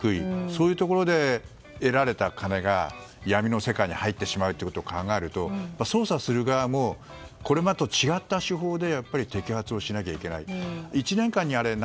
そういうところで得られた金が闇の世界に入ってしまうということを考えると捜査する側もこれまでと違った手法で摘発をしないといけない。